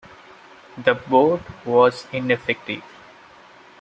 The Board was ineffective.